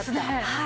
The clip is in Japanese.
はい。